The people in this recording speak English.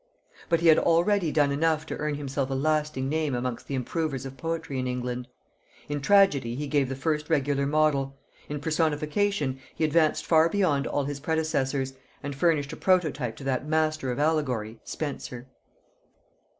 But he had already done enough to earn himself a lasting name amongst the improvers of poetry in England. In tragedy he gave the first regular model; in personification he advanced far beyond all his predecessors, and furnished a prototype to that master of allegory, Spenser.